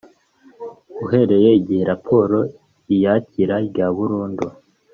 Uhereye igihe raporo y iyakira rya burundu